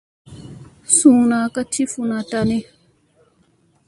Suuna ka ti funa tani.